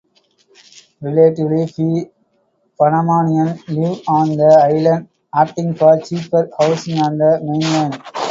Relatively few Panamanians live on the island, opting for cheaper housing on the mainland.